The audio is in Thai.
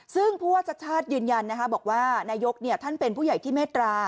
ซึ่งผู้ว่าชัชชาธิ์ยืนยันนะครับบอกว่านายกเนี่ยท่านเป็นผู้ใหญ่ที่เมตรา